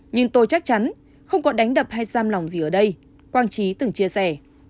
nhưng tôi chắc chắn không có đánh đập hay giam lòng gì ở đây quang trí từng chia sẻ